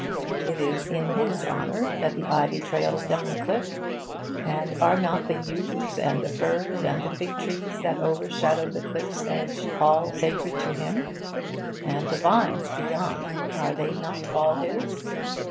It is in his honour that the ivy trails down the cliff, and are not the yews and the firs and the fig trees that overshadow the cliff's edge all sacred to him? and the vines beyond, are they not all his?